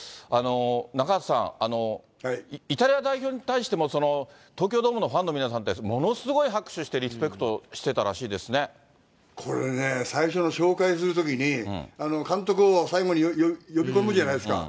中畑さん、イタリア代表に対しても、東京ドームのファンの皆さんって、ものすごい拍手して、これね、最初の紹介するときに、監督を最後に呼び込むじゃないですか。